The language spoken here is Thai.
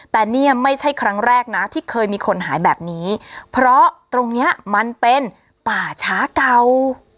แต่เนี่ยไม่ใช่ครั้งแรกนะที่เคยมีคนหายแบบนี้เพราะตรงเนี้ยมันเป็นป่าช้าเก่า